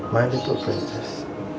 mani untuk rancas